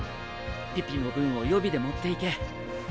ピピの分を予備で持っていけ。